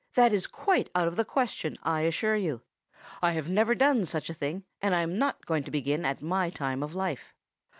that is quite out of the question, I assure you. I have never done such a thing, and I am not going to begin at my time of life.